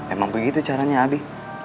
emang begitu caranya abi